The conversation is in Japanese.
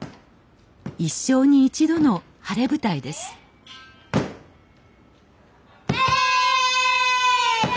一生に一度の晴れ舞台ですえいや！